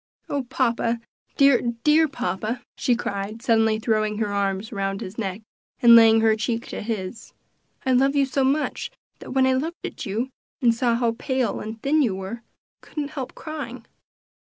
"Oh, papa! dear, dear papa!" she cried, suddenly throwing her arms round his neck, and laying her cheek to his; "I love you so much, that when I looked at you, and saw how pale and thin you were, I couldn't help crying."